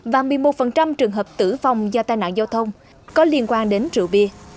và một mươi một trường hợp tử vong do tai nạn giao thông có liên quan đến rượu bia